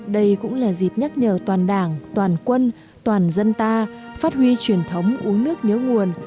đây cũng là dịp nhắc nhờ toàn đảng toàn quân toàn dân ta phát huy truyền thống uống nước nhớ nguồn